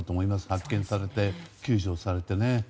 発見されて、救助されて。